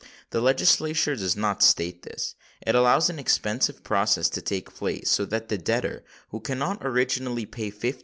The Legislature does not understand this. It allows an expensive process to take place, so that the debtor who cannot originally pay 50_l.